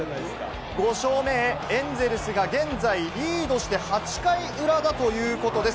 ５勝目へエンゼルスが現在リードして８回裏だということです。